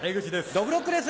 どぶろっくです！